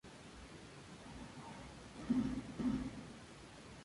A los pies, coro alto y órgano.